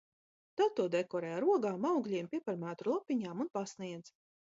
Tad to dekorē ogām, augļiem, piparmētru lapiņām un pasniedz.